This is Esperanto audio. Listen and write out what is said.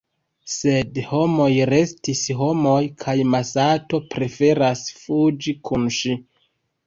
Sed “homoj restis homoj kaj Masato preferas fuĝi kun ŝi.